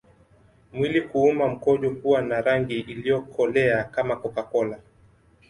Mwili kuuma mkojo kuwa na rangi iliyokolea kama CocaCola